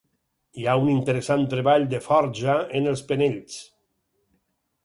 Hi ha un interessant treball de forja en els penells.